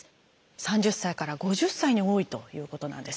３０歳から５０歳に多いということなんです。